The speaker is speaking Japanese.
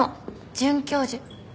准教授。